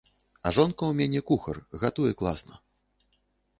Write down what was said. А жонка ў мяне кухар, гатуе класна.